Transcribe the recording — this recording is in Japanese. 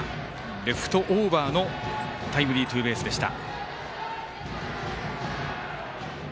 レフトオーバーのタイムリーツーベースでした。